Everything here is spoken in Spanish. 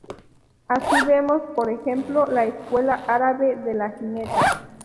Así vemos por ejemplo la escuela árabe de la Jineta.